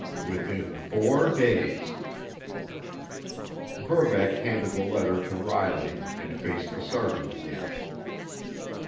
Within four days! Verbeck handed the letter to Riley, and faced the sergeant again.